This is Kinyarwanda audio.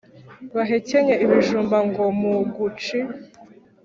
Bahekenye ibijumba ngo muguci